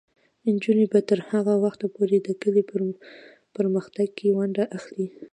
نجونې به تر هغه وخته پورې د کلي په پرمختګ کې ونډه اخلي.